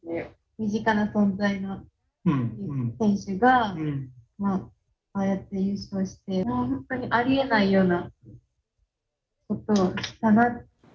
身近な存在の選手がああやって優勝して、もう本当にありえないようなことをしたな。